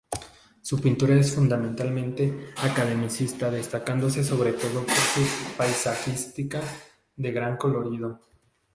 Su pintura es fundamentalmente academicista destacándose sobre todo su paisajística de gran colorido.